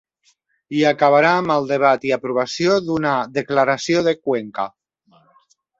I acabarà amb el debat i aprovació d’una “Declaració de Cuenca”.